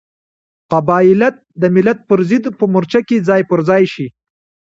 قبایلت د ملت پرضد په مورچه کې ځای پر ځای شي.